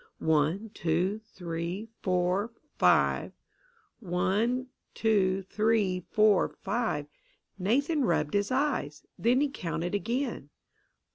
One, two, three, four, five one, two, three, four, five Nathan rubbed his eyes. Then he counted again.